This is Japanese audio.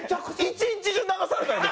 一日中流されたんやで？